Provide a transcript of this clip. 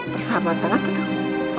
persahabatan apa tuh